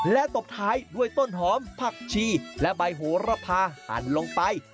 และตบท้ายด้วยต้นหอมผักชีและใบโหระพาหั่นลงไป